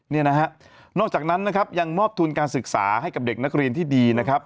นี่นะฮะนอกจากนั้นนะครับยังมอบทุนการศึกษาให้กับเด็กนักเรียนที่ดีนะครับ